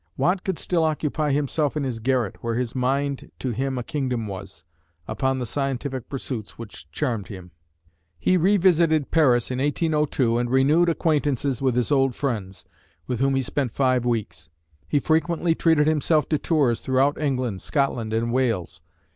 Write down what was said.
Watt could still occupy himself in his garret, where his "mind to him a Kingdom was," upon the scientific pursuits which charmed him. He revisited Paris in 1802 and renewed acquaintances with his old friends, with whom he spent five weeks. He frequently treated himself to tours throughout England, Scotland and Wales.